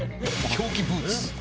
凶器ブーツ。